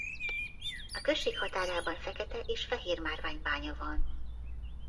A község határában fekete- és fehérmárvány-bánya van.